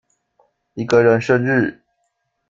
一個人生日